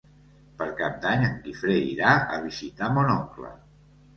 Per Cap d'Any en Guifré irà a visitar mon oncle.